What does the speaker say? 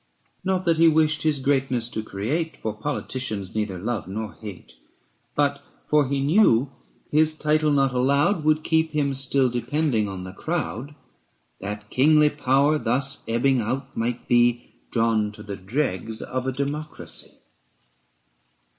& Jj^ th |VWr Not that he wished his greatness to create, Q For politicians neither love nor hate; But, for he knew his title not allowed Would keep him still depending on the crowd, 335 That kingly power, thus ebbing out, might be Drawn to the dregs of a democracy.